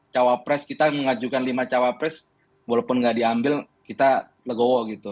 cawa pres kita mengajukan lima cawa pres walaupun tidak diambil kita legowo gitu